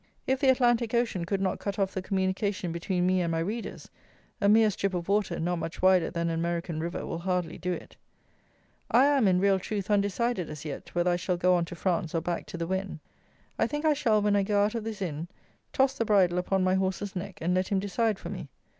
If the Atlantic Ocean could not cut off the communication between me and my readers, a mere strip of water, not much wider than an American river, will hardly do it. I am, in real truth, undecided, as yet, whether I shall go on to France or back to the Wen. I think I shall, when I go out of this Inn, toss the bridle upon my horse's neck, and let him decide for me.